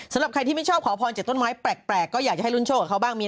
สำหรับใครที่ไม่ชอบขอพรจากต้นไม้แปลกก็อยากจะให้ลุ้นโชคกับเขาบ้างมี